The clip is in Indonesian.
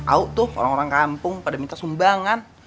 tau tuh orang orang kampung pada minta sumbangan